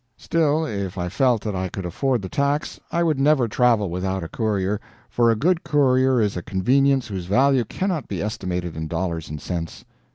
Still, if I felt that I could afford the tax, I would never travel without a courier, for a good courier is a convenience whose value cannot be estimated in dollars and cents.